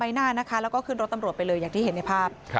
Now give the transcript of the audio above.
หน้านะคะแล้วก็ขึ้นรถตำรวจไปเลยอย่างที่เห็นในภาพ